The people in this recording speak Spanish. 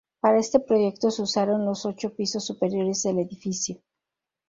Para este proyecto se usaron los ocho pisos superiores del edificio.